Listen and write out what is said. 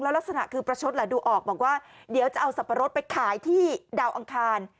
และลักษณะประชดละดูออกว่าจะเอาสัปปะรดไปขายที่ดาวอังคาร